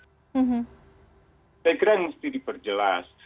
saya kira mesti diperjelas